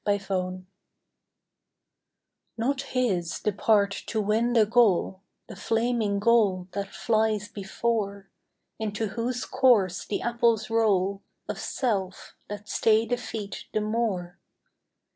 UNQUALIFIED Not his the part to win the goal, The flaming goal that flies before, Into whose course the apples roll Of self that stay the feet the more.